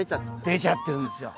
出ちゃってるんですよ。